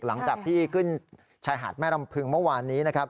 หลังจากที่ขึ้นชายหาดแม่ลำพึงเมื่อวานี้